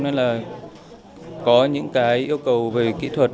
nên là có những cái yêu cầu về kỹ thuật